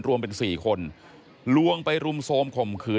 รวมเป็น๔คนลวงไปรุมโทรมข่มขืน